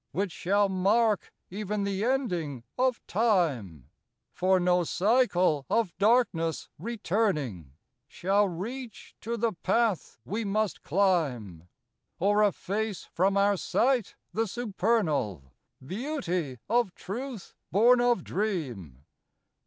Which shall mark even the ending of Time; For no cycle of darkness returning Shall reach to the path we must climb, Or efface from our sight the supernal Eeauty of Truth born of Dream.